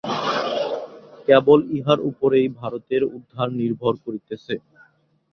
কেবল ইহার উপরেই ভারতের উদ্ধার নির্ভর করিতেছে।